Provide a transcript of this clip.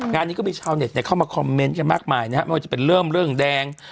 งานนี้ก็มีชาวเน็ตเข้ามาคอมเมนต์กันมากมายนะฮะไม่ว่าจะเป็นเริ่มเรื่องแดง